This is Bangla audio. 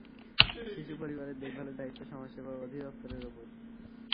শিশু পরিবারের দেখভালের দায়িত্ব সমাজসেবা অধিদপ্তরের ওপর।